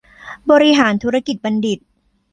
บริหารธุรกิจบัณฑิต